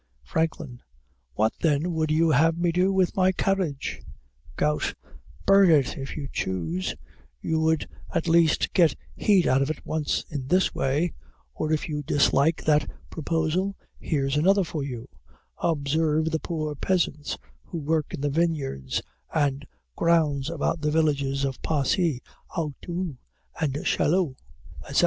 FRANKLIN. What then would you have me do with my carriage? GOUT. Burn it if you choose; you would at least get heat out of it once in this way; or, if you dislike that proposal, here's another for you; observe the poor peasants, who work in the vineyards and grounds about the villages of Passy, Auteuil, Chaillot, etc.